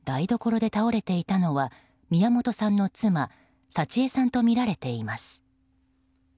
台所で倒れていたのは宮本さんの妻・幸枝さんとみられています。